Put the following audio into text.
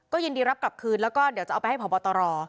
ยินดีรับกลับคืนแล้วก็เดี๋ยวจะเอาไปให้ผอบตร